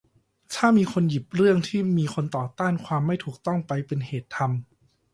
ถ้ามีคนหยิบเรื่องที่มีคนต่อต้านความไม่ถูกต้องไปเป็นเหตุทำ